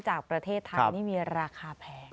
จากประเทศไทยนี่มีราคาแพง